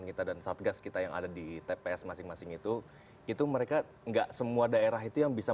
kita dan satgas kita yang ada di tps masing masing itu itu mereka enggak semua daerah itu yang bisa